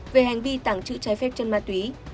về hành vi tàng trữ trái phép chân ma túy